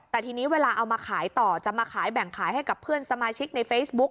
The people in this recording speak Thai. แต่ทีนี้เวลาเอามาขายต่อจะมาขายแบ่งขายให้กับเพื่อนสมาชิกในเฟซบุ๊ค